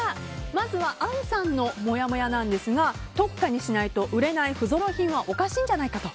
まずは杏さんのもやもやなんですが特価にしないと売れない不ぞろい品はおかしいんじゃないかと。